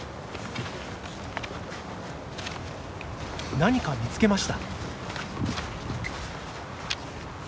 何か見つけました。